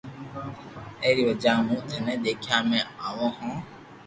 اي ري وجھ مون ٿني ديکيا ۾ آوو ھون